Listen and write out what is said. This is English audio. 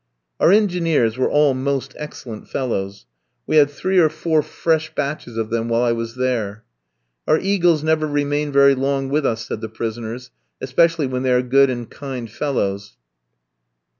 Our engineers were all most excellent fellows; we had three or four fresh batches of them while I was there. "Our eagles never remain very long with us," said the prisoners; "especially when they are good and kind fellows."